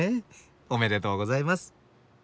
おめでとうございます。